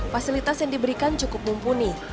fasilitas yang diberikan cukup mumpuni